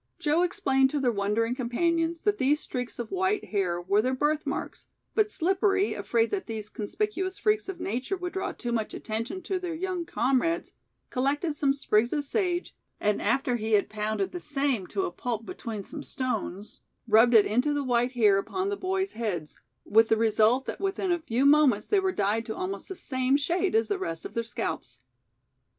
Joe explained to their wondering companions that these streaks of white hair were their birth marks, but Slippery, afraid that these conspicuous freaks of nature would draw too much attention to their young comrades, collected some sprigs of sage, and after he had pounded the same to a pulp between some stones, rubbed it into the white hair upon the boy's heads, with the result that within a few moments they were dyed to almost the same shade as the rest of their scalps.